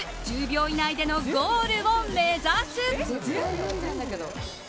１０秒以内でのゴールを目指す。